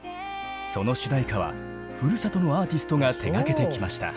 その主題歌はふるさとのアーティストが手がけてきました。